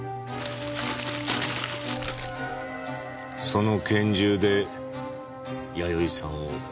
その拳銃で弥生さんを撃った。